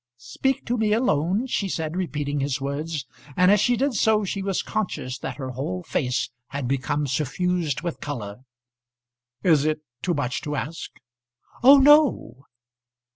"Speak to me alone?" she said, repeating his words; and as she did so she was conscious that her whole face had become suffused with colour. "Is it too much to ask?" "Oh, no!"